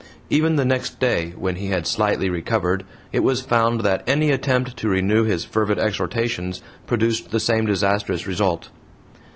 Even the next day, when he had slightly recovered, it was found that any attempt to renew his fervid exhortations produced the same disastrous result.